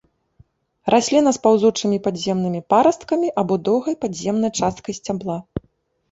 Расліна з паўзучымі падземнымі парасткамі або доўгай падземнай часткай сцябла.